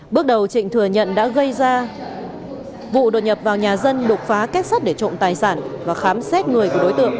bước đầu trịnh thừa nhận đã gây ra vụ đột nhập vào nhà dân đột phá kết sắt để trộm tài sản và khám xét người của đối tượng